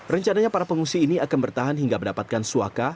rencananya para pengungsi ini akan bertahan hingga mendapatkan suaka